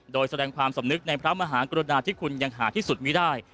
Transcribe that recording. โดยแสดงความสำนึกในพระมหากรุณาที่คุณยังหาที่สุดมีได้